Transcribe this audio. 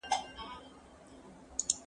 زه به سبا درسونه واورم